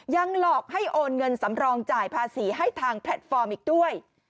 หลอกให้โอนเงินสำรองจ่ายภาษีให้ทางแพลตฟอร์มอีกด้วย